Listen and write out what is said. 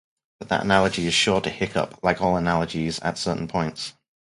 But that analogy is sure to hiccup, like all analogies, at certain points.